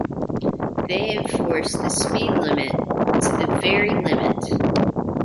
They enforce the speed limit to the very limit!